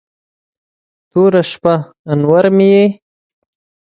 توره شپه، انور مې یې